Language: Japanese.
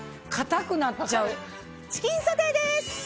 チキンソテーです！